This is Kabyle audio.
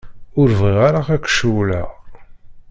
Ur bɣiɣ ara ad k-cewwleɣ.